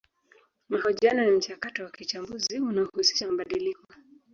Mahojiano ni mchakato wa kichambuzi unaohusisha mabadiliko